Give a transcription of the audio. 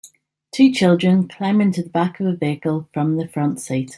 Two children climb into the back of a vehicle from the front seat